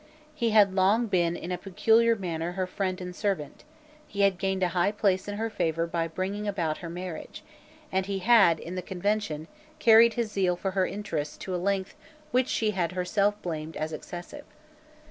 He had long been in a peculiar manner her friend and servant: he had gained a high place in her favour by bringing about her marriage; and he had, in the Convention, carried his zeal for her interests to a length which she had herself blamed as excessive.